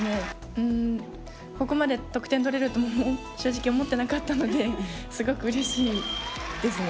ここまで得点を取れると正直思っていなかったのですごくうれしいですね。